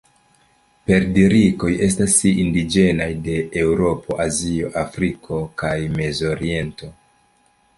Perdrikoj estas indiĝenaj de Eŭropo, Azio, Afriko, kaj Mezoriento.